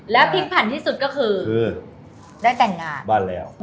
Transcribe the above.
แล้วพิมพ์ผันที่สุดก็คือคือได้แต่งงานบ้านหนูแล้ว